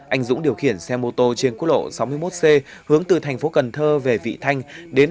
hai nghìn một mươi sáu anh dũng điều khiển xe mô tô trên cuối lộ sáu mươi một c hướng từ thành phố cần thơ về vị thanh đến